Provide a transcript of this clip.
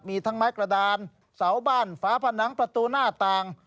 มีทั้งไม้กระดานเสาบ้านฝาผนังประตูหน้าต่าง